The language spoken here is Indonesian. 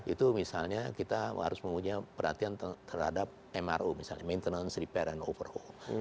itu misalnya kita harus mempunyai perhatian terhadap mro misalnya maintenance repair and overhaul